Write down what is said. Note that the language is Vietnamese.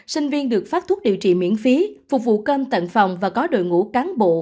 sinh viên được phát thuốc điều trị miễn phí phục vụ cơm tận phòng và có đội ngũ cán bộ